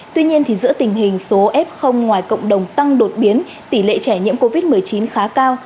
tuy nhiên giữa tình hình số f ngoài cộng đồng tăng đột biến tỷ lệ trẻ nhiễm covid một mươi chín khá cao